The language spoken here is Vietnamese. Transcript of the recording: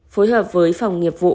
phối hợp với phòng nghiệp vụ